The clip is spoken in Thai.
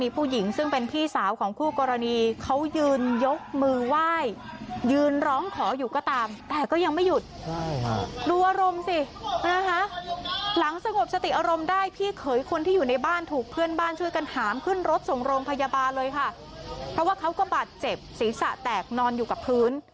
เพราะว่าเขาก็บาดเจ็บศีรษะแตกนอนอยู่กับพื้น